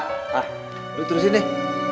duh terusin nih